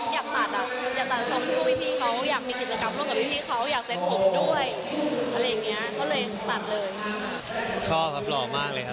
อยากมีกิจกรรมล่วงกับพี่เขาอยากเซ็ตผมด้วย